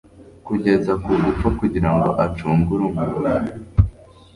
kugeza ku gupfa kugira ngo acungure umuntu.